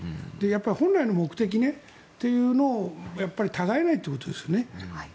本来の目的というのをやっぱりたがえないということですよね。